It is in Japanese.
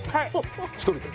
１人で？